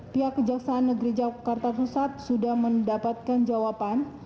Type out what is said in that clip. pihak kejaksaan negeri jakarta pusat sudah mendapatkan jawaban